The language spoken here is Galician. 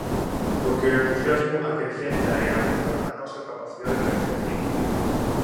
Porque o entusiasmo acrecenta e aguza a nosa capacidade perceptiva.